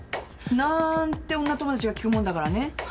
なーんて女友達が聞くもんだからね。